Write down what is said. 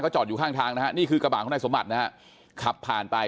จอดอยู่ข้างทางนะฮะนี่คือกระบะของนายสมบัตินะฮะขับผ่านไป